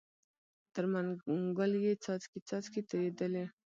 تر منګول یې څاڅکی څاڅکی تویېدلې